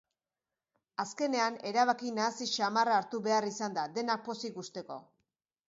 Azkenean, erabaki nahasi xamarra hartu behar izan da, denak pozik uzteko.